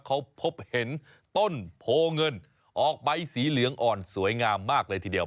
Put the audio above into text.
เขาพบเห็นต้นโพเงินออกใบสีเหลืองอ่อนสวยงามมากเลยทีเดียว